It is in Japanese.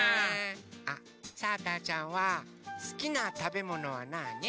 あっさぁたぁちゃんはすきなたべものはなあに？